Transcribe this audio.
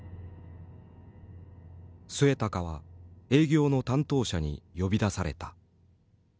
末高は営業の担当者に呼び出された。